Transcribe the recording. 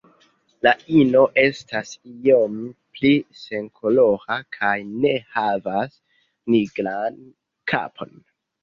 La ino estas iom pli senkolora kaj ne havas nigran kapon.